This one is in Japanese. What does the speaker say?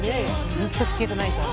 ずっと聴けてないから。